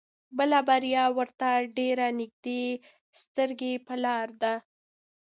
بله بريا ورته ډېر نيږدې سترګې په لار ده.